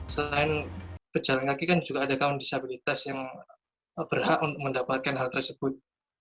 selain berjalan kaki kan juga ada kaum disabilitas yang berhak untuk mendapatkan hal tersebut